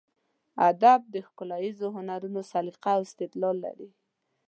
ادب د ښکلاییزو هنرونو سلیقه او استدلال لري.